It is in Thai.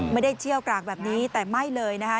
ไม่ได้เชี่ยวกรากแบบนี้แต่ไม่เลยนะฮะ